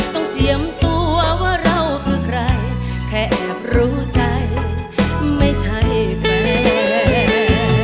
เจียมตัวว่าเราคือใครแค่แอบรู้ใจไม่ใช่แฟน